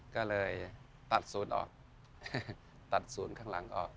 ก็เลยตัดสูญออกตัดสูญข้างหลังออก